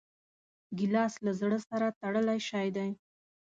ګیلاس له زړه سره تړلی شی دی.